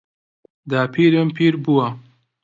داپیرم پیر بووە.